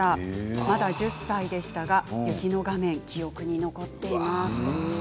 まだ１０歳でしたが雪の場面、記憶に残っています。